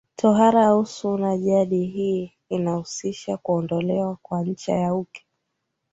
Tohara au Sunna jadi hii inahusisha kuondolewa kwa ncha ya uke